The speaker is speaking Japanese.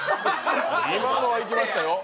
今のはいきましたよ。